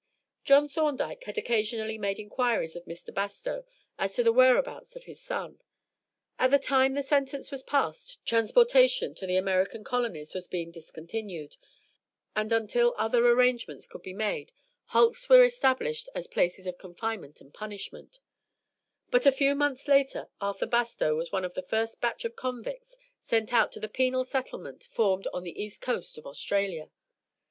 John Thorndyke had occasionally made inquiries of Mr. Bastow as to the whereabouts of his son. At the time the sentence was passed transportation to the American colonies was being discontinued, and until other arrangements could be made hulks were established as places of confinement and punishment; but a few months later Arthur Bastow was one of the first batch of convicts sent out to the penal settlement formed on the east coast of Australia.